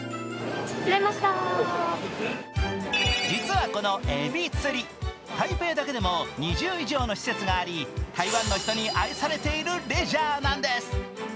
実はこのえび釣り、台北だけでも２０以上の施設があり、台湾の人に愛されているレジャーなんです。